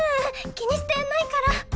気にしてないから。